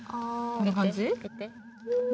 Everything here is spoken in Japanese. こんな感じ？